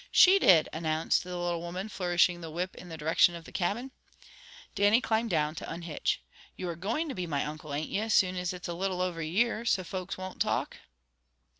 "She did!" announced the little woman, flourishing the whip in the direction of the cabin. Dannie climbed down to unhitch. "You are goin' to be my Uncle, ain't you, as soon as it's a little over a year, so folks won't talk?"